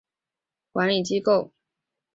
现在城堡由威尔斯遗产机构管理。